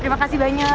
terima kasih banyak